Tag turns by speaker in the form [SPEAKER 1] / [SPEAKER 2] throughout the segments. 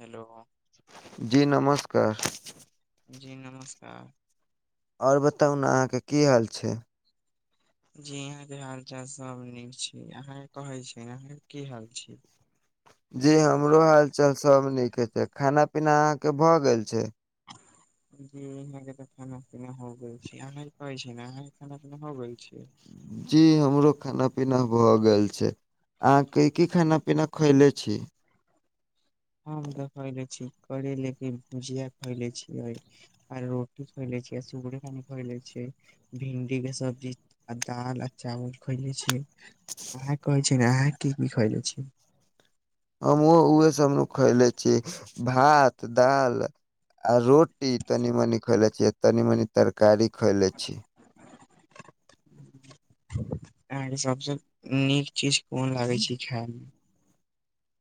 [SPEAKER 1] Hello
[SPEAKER 2] जी नमस्कार
[SPEAKER 1] जी नमस्कार
[SPEAKER 2] और बताउ न आहाँ के की हाल छै
[SPEAKER 1] जी यहाँ के हाल चाल सब नीक छी आहाँ के कहेै छी ने आहाँ के की हाल छी
[SPEAKER 2] जी हमरो हालचाल सब नीके छैय खाना पीना आहाँ के भ गेल छै
[SPEAKER 1] जी यहाँ के तऽ खाना पीना हो गेल छै आहाँ के कहै छी ने आहाँ के खाना पीना हो गेल छै
[SPEAKER 2] जी हमरो खाना पीना भ गेल छै आहाँ के की खाना पीना खएले छी
[SPEAKER 1] हम तो खयलै छी करेले के भुजिया खयलै छीयै आ रोटी खयलै छियै सुगड़े [unintelligible] खयलै छीयै भिंन्डी के सब्जी आ दाल आ चावल खयलै छियै आ कहे छियै न आँहा की- की खयलै छियै
[SPEAKER 2] हमहूँ उहे सब नु खयलै छी भात दाल आ रोटी तनी मनी खयलै छी तनी मनी तरकारी खयलै छी।
[SPEAKER 1] आहाँ के सबस नीक चीज कोन लागे छी खै मे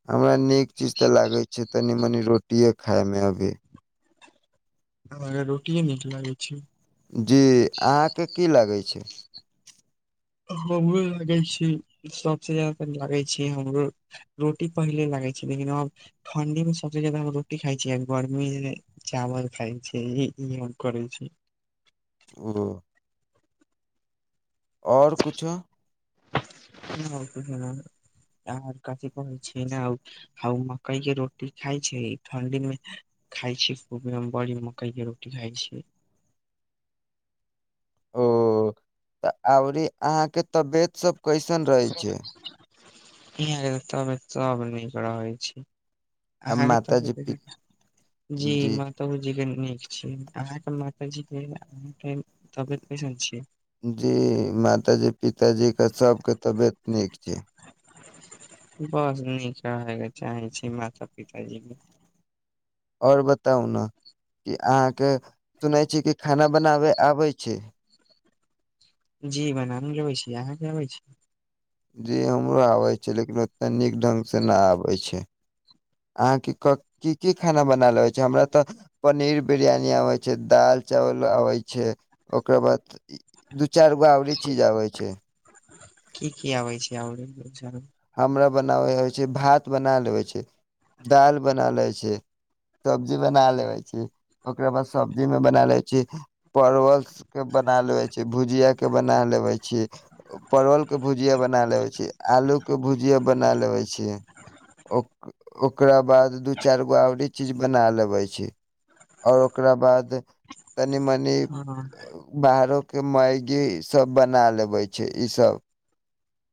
[SPEAKER 2] हमरा नीक चीज तऽ लागे छै तनी -मनी रोटिये खाय में अभी
[SPEAKER 1] हमरा रोटिये नीक लागै छै।
[SPEAKER 2] जी आहाँ के की लगै छै
[SPEAKER 1] हमरो लागै छी सबसे जादा लागै छी हमरो रोटी पहिले लागै छै लेकिन आब ठण्डी मे सबसे ज्यादा हम रोटी खाय छियै अभी गर्मी [unintelligible] चावल खाय छी इहे मोन करै छैय
[SPEAKER 2] [unintelligible] और कुछो
[SPEAKER 1] [unintelligible] आँहा आर कथि कहैय छियै ने- हौ मकैय के रोटी खाय छिही ठण्डी मे- खाय छी खूबे हम बड़ी मकैय के रोटी खाय छीयै।
[SPEAKER 2] ओ तऽ अभरी आँहा के तबियत सब कैसन रहेै छै?
[SPEAKER 1] [unintelligible] तबेत सब नीक रहै छैय।
[SPEAKER 2] आ
[SPEAKER 1] आहाँ के तब
[SPEAKER 2] माताजी पि
[SPEAKER 1] [unintelligible] जी मां- [unintelligible] जे नीक छैय आहाँके माताजीे के आहाँ के तबियत कैसन छय?
[SPEAKER 2] जी माताजी पिताजी का सब के तबियत नीक छै।
[SPEAKER 1] बस नीक रहे के चाहे छी माता पिताजी के।
[SPEAKER 2] और बतौउ न कि आहाँके सुनै छी कि खाना बनाबे आबै छै।
[SPEAKER 1] जी बनाालेबै छी आहाँ के आबै छैय?
[SPEAKER 2] जी हमरो आबै छै लेकिन ओते नीक ढंग से न आबै छै। आहाँके क-की -की-खाना बनेऽल होय छै हमरा तऽ- पनीर बिरयानी आबै छै, दाल चावल आबै छै, ओकर बाद- इ- दू चैर गो औरी चीज आबै छैय।
[SPEAKER 1] की -की आबै छै औरी दु चैर?
[SPEAKER 2] हमरा बनाबै होय छै भात बना लेबै छै दाल बना लेबै छै। तबजी बना लेबै छी, ओकरा बाद सब्जीमे बना लै छी- परवल के बना लेबे छी, भुजिया के बना लेबे छी- उ-परवल के भुजिया बना लेबै छी। आलू- के भुजिआ - बनालेबे छियै। ओक- ओकरा बाद दू चैर गो औरी चीज बना लेबे छै। और ओकरा बाद तनी -मनी- [unintelligible] बाहरो के मैगी सब बना लेबै छय इ सब।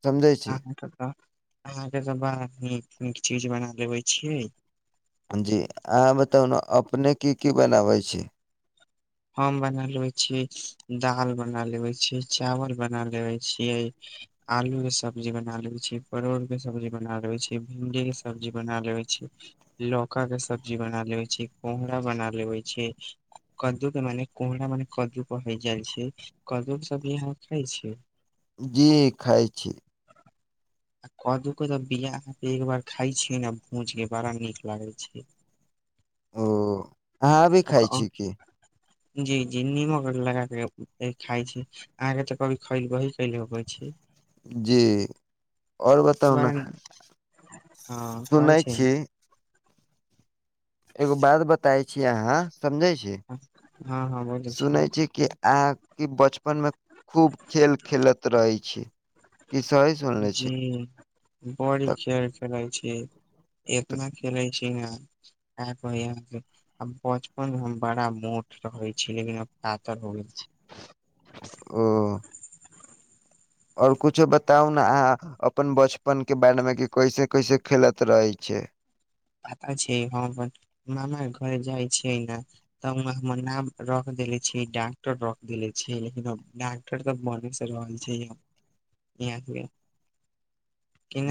[SPEAKER 2] समझे छी
[SPEAKER 1] [unintelligible] - आहाँके तऽ बाड़ नीक -नीक चीज बना लेबै छियै।
[SPEAKER 2] जी, अहाँ बतौउ ने अपने के की -की बनाबै छी?
[SPEAKER 1] हम बना लेवे छियै दाल बना लेवे छियै चावल बना लेवे छियै। आलू के सब्जी बना लेवे छियै परोड़ के सब्जी बना लेवे छियै भिंडी के सब्जी बना लेेवे छीयै। लौका के सब्जी बना लेबय छी कोहरा बना लेबय छै कद्दू- मने कोहरा मने कद्दू कहल जाइ छै कद्दूके सब्ज़ी अहाँ खाय छियै?
[SPEAKER 2] जी खाइ छी।
[SPEAKER 1] आ कदू कतऽ बिया अहाँ एक बार खाय छियै ने भूज के बड़ा नीक लागै छै।
[SPEAKER 2] ओ अहाँ अभी खाइ
[SPEAKER 1] ओकर
[SPEAKER 2] छीयै की?
[SPEAKER 1] जी- जी नीमक और लगा के ए-खाय छी। अहाँ के तऽ कभी खैल वही [unintelligible] छी
[SPEAKER 2] जी आओर बताउ ने
[SPEAKER 1] बड़ा हँ कहै
[SPEAKER 2] सुनै
[SPEAKER 1] छै ने
[SPEAKER 2] छी- एगो बात बताय छी अहाँ समझै छी?
[SPEAKER 1] हँ हँ बोलै
[SPEAKER 2] सुनै छी कि आंहां- कि बचपनमे खूब खेल खेलैत रहैत छी। की सही सुनले छी
[SPEAKER 1] जी बड़ी
[SPEAKER 2] तऽ
[SPEAKER 1] खेल खेलाय छी। एतना खेलै छी न अहां तें कहैए अहांके- आ बचपन मे हम बड़ा मोट रहै छी [unintelligible] आब पातर भ गेल छी।
[SPEAKER 2] ओ- आओर कुछो बताउ ने आहाँ- अपन बचपन के बारे मे की कैसे- कैसे खेलत रहै छै?
[SPEAKER 1] पता छै हम अपन नाना घरे जाइ छियै ने- त ओहिमे हमर नाम रख देले छी डॉक्टर रख देले छै लेकिन ड कते तक मार्निंग चैल रहल छै, यैह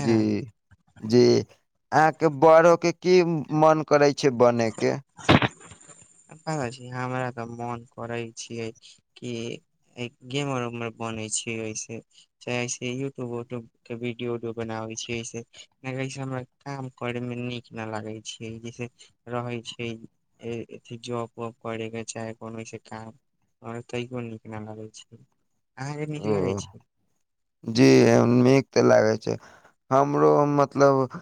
[SPEAKER 2] जी। जी, अहाँके बड़ होके की मन करै छै बने के? [inaudible]
[SPEAKER 1] अपना कहै छी हमरा त मन करै छियै कि गेमर उमर बने छै ऐसे चाहेसे यूट्यूब उट्यूब के वीडियो उडियो बनाबे छी, नहिसे हमरा काम करै मे नीक न लागे छै जैसे रहै छै अथि जॉब वाब करै के चाहे कोनो सा काम आर तैयो नीक नहि लगैत छै, अहाँके नीक
[SPEAKER 2] ओ
[SPEAKER 1] लगैत छै
[SPEAKER 2] जी नीक ते लागे छै, हमरो मतलब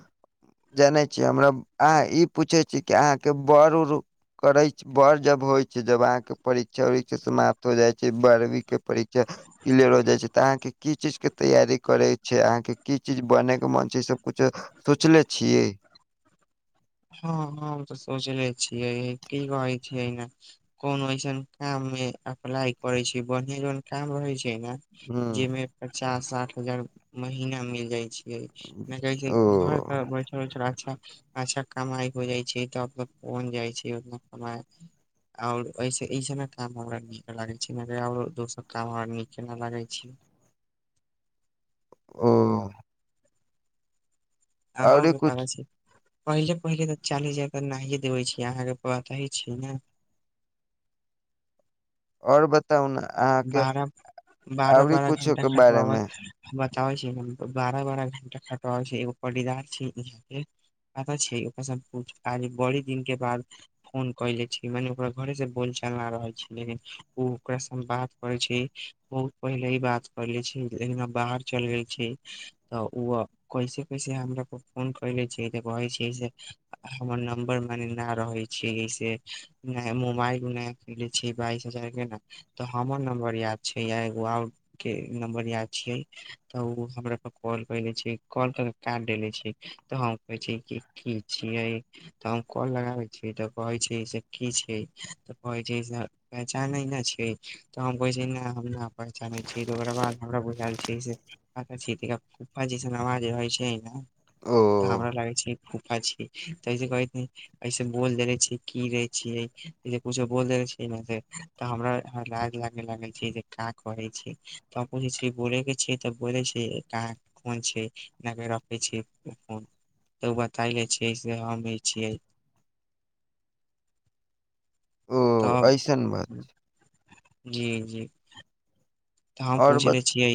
[SPEAKER 2] जानै छियै हमरा अहाँ ई पूछे छी कि अहाँके बड़ उड़ करै छै बड़ जब होइ छै जब अहाँके परीक्षा उरीक्षा समाप्त हो जाइ छै बारहवीं के परीक्षा क्लियर हो जाइ छै त अहाँके की चीज के तैयारी करै छै अहाँके की चीज बनेयके मन छै ई सब कुछो सोचले छियै?
[SPEAKER 1] हँ हम त सोचले छियै कि कहै छै अ नहि कोनो ऐसन काम मे अप्लाइ करे छै, बढ़े जन काम रहे छै ने
[SPEAKER 2] ह्म
[SPEAKER 1] जैमे पचास साठ हजार महिना मिल जाय छै नहि कहै छै
[SPEAKER 2] ओ
[SPEAKER 1] घर पर बैसल बैसल अच्छा अच्छा कमाइ हो जाइ छै त कोन जाइ छैना कमाइ और इस ऐसब मे काम हमरा नीक लागे छै आर दोसर काम हमरा नीक के न लागे छै।
[SPEAKER 2] ओ।
[SPEAKER 1] अहाँ उं
[SPEAKER 2] औरे
[SPEAKER 1] के पता
[SPEAKER 2] कुछ
[SPEAKER 1] छै। पहिले पहिले त चालीस हजार तक नै देबे छियै अहाँके पता इ छै ने
[SPEAKER 2] और बताउ। ने अहाँके
[SPEAKER 1] बारह बारह
[SPEAKER 2] औरी
[SPEAKER 1] बारह
[SPEAKER 2] कुछो
[SPEAKER 1] घण्टा
[SPEAKER 2] के बारे
[SPEAKER 1] खटबाब
[SPEAKER 2] मे
[SPEAKER 1] बताबै छी बारह बारह घंटा खटबाबै छै एगो परीदार छै यहाँ के पता छै ओकर सब कुछ आयल बड़ी दिन के बाद फोन कले छी मने ओकरा घरे से बोल चालना रहै छी लेकिन ओ ओकरा सँ बात करै छी बहुत पहिले ही बात कर ले छी, लेकिन बाहर चलि गेल छी त ओ कैसे कैसे हमरा के फोन कैले छै त कहे छै से हमर नम्बर मने न रहे छै। छै से नहि मोबाइल नहि छी बाइस हजार के ना। त हमर नम्बर याद छै ये एगो आउर के नम्बर याद छियै त ओ हमरा पर कॉल करले छै कॉल कर काट डेले छी त हम कहै छी कि की छियै। त हम कॉल लगाबै छियै त कहै छै से की छै त कहै छै से पहचानै ने छै। त हम कहै छी नहि हम नहि पहचानै छी त ओकरा बाद हमरा बुझल छै से राखै छै त रखू, अचछा से आवाज रहै छै ने
[SPEAKER 2] ओ
[SPEAKER 1] त हमरा लागै छै फूफा छियै तै से कहै छै ऐसे बोल देेले छियै की रहे छियै से कुछो बोल देेले छै ने से त हमरा लाथ लागे लागै छी जे कि करे छी त पुछै छै बोले के छी त बोले छी क फोन छै रखे छ बताय ले छियै से हम ई छियै
[SPEAKER 2] ओ
[SPEAKER 1] तब,
[SPEAKER 2] ऐसन बात
[SPEAKER 1] जी जी। तऽ हम
[SPEAKER 2] और
[SPEAKER 1] पूछले
[SPEAKER 2] बत
[SPEAKER 1] छियै,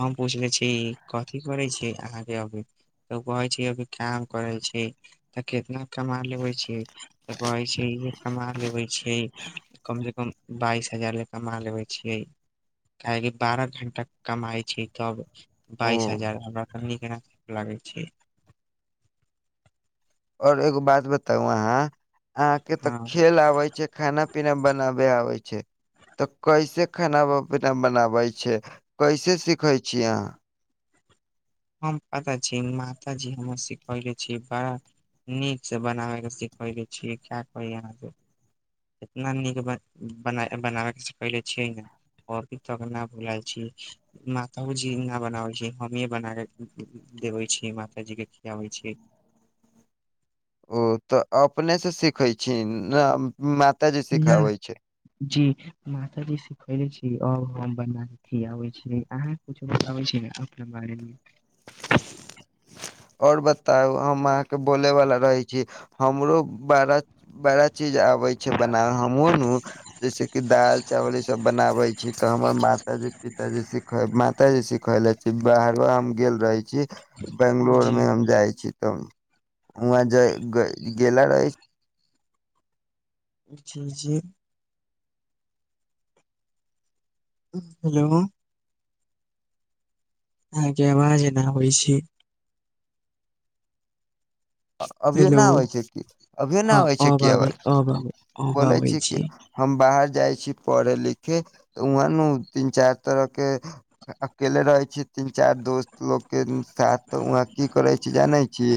[SPEAKER 1] हम पूछले छियै कथी करै छीयै अहाँके अभी? तऽ कहै छियै अभी काम करै छी, तऽ केखनो कमा लेवे छी, त कहे छै इे कमा लेवे छै। कम से कम बाइस हजार ल कमा लेबे छियै। काहेकि बारह घण्टा कमाइ छै तब, बाइस
[SPEAKER 2] ओ
[SPEAKER 1] हजार हमरा क के [unintelligible] लागै छै।
[SPEAKER 2] और एगो बात बताउ अहाँ, अहाँके तऽ
[SPEAKER 1] हँ
[SPEAKER 2] खेल आबे छै। खानना -पीना बनाबे आबै छै। तऽ कैसे खाना- पीना बनाबे छै, कैसे सिखे छीयै अहाँ?
[SPEAKER 1] हम पता छी, मातााजी हमर सिखौले छी बा। नीकसँ बनाबैके सीखैके छिय क्या कही अहाँक। इतना नीक ब बना बनाबैके पहिले छियै ने। अभी तकक न बुलाल छी, मातो जी न बनावल छी, हमही बना एब। देबै छी, माता जी के खियाबै छी।
[SPEAKER 2] ओ तऽ अपने से सिखे छी ने, मातााजी
[SPEAKER 1] न
[SPEAKER 2] सिखाबै छै?
[SPEAKER 1] जी मातााजी सिखौले छी, आब हम बना के खियाबे छी। अहाँ किछ बताबै छै ने अपने बारेमे।
[SPEAKER 2] और बताउ, हम अहाँके बोले वाला रहै छी, हमरो बारा बड़ा चीज आबे छै बनाव, हमहु नु जैसे कि दाल -चावल ई सब बनावे। [inaudible] तऽ हमर माता जी पिताजी सिख माता जी सिखले छी। बाहरो हम गेल रहे छी। बंगलोर
[SPEAKER 1] जी
[SPEAKER 2] में हम जाइ छी तऽ, वहं ज गेला रहै छी।
[SPEAKER 1] अच्छा जे हेलो! [unintelligible] अहाँके आवाज एना होइ छै।
[SPEAKER 2] अभियो
[SPEAKER 1] हेलो
[SPEAKER 2] नहि आबै छै कि, अभियो ना
[SPEAKER 1] हँ
[SPEAKER 2] आबै छै
[SPEAKER 1] अब
[SPEAKER 2] कि
[SPEAKER 1] आबै
[SPEAKER 2] अबाज,
[SPEAKER 1] अब आबै अब
[SPEAKER 2] बोलै
[SPEAKER 1] आबै
[SPEAKER 2] छियै कि।
[SPEAKER 1] छी
[SPEAKER 2] हम बाहर जाइ छी पढ़े- लिखे तऽ, वहाँ ने तीन चार तरह के अकेल रहै छै। तीन चारि दोस्त लोकके साथ, तऽ वहाँ की करै छी जानै छी?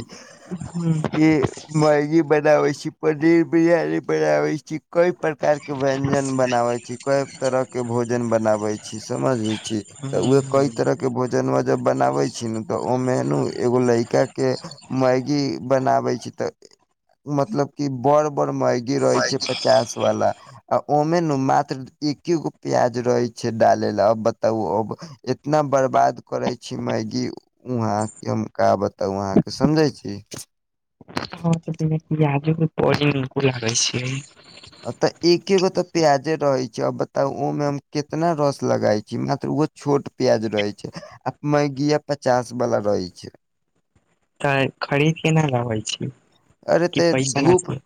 [SPEAKER 1] हू।
[SPEAKER 2] के मैगी बनावे छी, पनीर बिरयानी बनाबे छी, कई प्रकार के के व्यंजन बनावे छी, कई तरह के भोजन बनावे छी, समझे छी।
[SPEAKER 1] हूँ
[SPEAKER 2] तऽ ओए कई
[SPEAKER 1] हूँ
[SPEAKER 2] तरह के भोज जन जब बनाबे छी तऽ, ओ मेनु एगो लड़का के मैगी बनाबे छि तऽ, मतलब की बर बड़ म गिरै छै, पचास वाला। आ ओमे ने मात्र एके गो प्याज रहे छै डाले ल, अब बताउ अब? इतना बर्बाद करै छी मैगी। उहाँ कि हम का बताउ अहाँके, समझै छी।
[SPEAKER 1] हँ तऽ बिना पियाजो के बड़ी निक लागे छै।
[SPEAKER 2] तऽ एके गो तऽ प्याजे रहे छै, आ बताउ! ओहिमे हम कितना रस लगई छी, मात्र ओ छोट प्याज रहे छै, आ मैगिया पचास वाला रहे छै।
[SPEAKER 1] तऽ खरीद के नहि लाबै छी।
[SPEAKER 2] अरे
[SPEAKER 1] कि
[SPEAKER 2] त
[SPEAKER 1] पैसा न
[SPEAKER 2] धूप
[SPEAKER 1] छै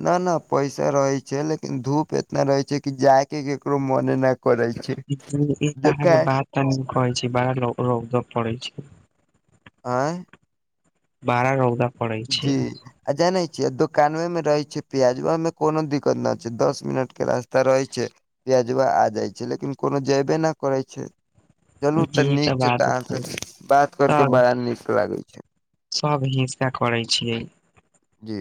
[SPEAKER 2] न न पैसा रहै छै, लेकिन धूप एतना रहै छै कि, जाय के केकरो मोने न करै छै,
[SPEAKER 1] जी, ई तऽ अहाँके
[SPEAKER 2] जेखन
[SPEAKER 1] बात कहै छी बड़ा रौ रौदा पड़ै छै।
[SPEAKER 2] आँय
[SPEAKER 1] बारा रौदा पड़ै
[SPEAKER 2] जी
[SPEAKER 1] छै
[SPEAKER 2] आ जानै छियै दोकानवे में रहे छै प्याजवा में कोनो दिक्कत न छै दस मिनट के रास्ता रहे छै प्याजवा आ जाइ छै लेकिन कोनो जेयबे ना करै छै। चलू तऽ
[SPEAKER 1] जी ई
[SPEAKER 2] नीक छै तऽ
[SPEAKER 1] बात
[SPEAKER 2] अहाँसे बात करके
[SPEAKER 1] तब
[SPEAKER 2] बड़ा नीक लागै छै।
[SPEAKER 1] सब हींसका करै छियै।
[SPEAKER 2] जी